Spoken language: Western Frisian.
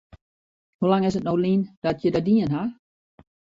Hoe lang is it no lyn dat je dat dien ha?